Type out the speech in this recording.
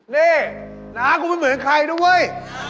นี่หนากูไม่เหมือนใครนะเว้ย